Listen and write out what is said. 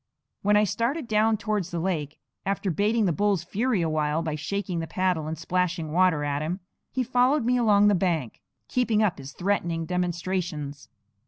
When I started down towards the lake, after baiting the bull's fury awhile by shaking the paddle and splashing water at him, he followed me along the bank, keeping up his threatening demonstrations.